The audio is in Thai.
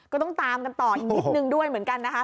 ก็ต้องตามกันต่ออีกนิดนึงด้วยเหมือนกันนะคะ